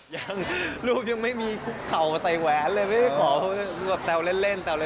ยังรูปยังไม่มีคุกเข่าใส่แว้นเลยไม่ได้ขอเพราะแซวเล่น